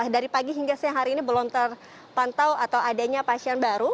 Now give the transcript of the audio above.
dari pagi hingga siang hari ini belum terpantau atau adanya pasien baru